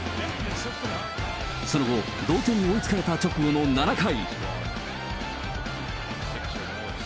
その後、同点に追いつかれた直後の７回。